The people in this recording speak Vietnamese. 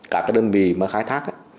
cả cái đơn vị mà khai thác